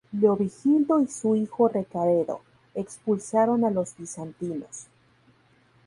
Leovigildo y su hijo Recaredo expulsaron a los bizantinos.